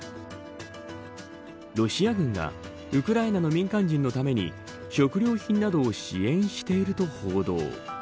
ロシア軍がウクライナの民間人のために食料品などを支援していると報道。